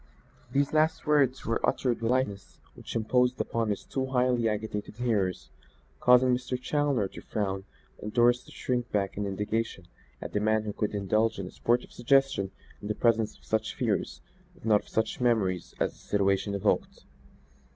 These last words were uttered with a lightness which imposed upon his two highly agitated hearers, causing Mr. Challoner to frown and Doris to shrink back in indignation at the man who could indulge in a sportive suggestion in presence of such fears, if not of such memories, as the situation evoked.